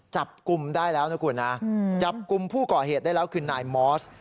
จับกลุ่มได้แล้วนะคุณนะจับกลุ่มผู้ก่อเหตุได้แล้วคือนายมอส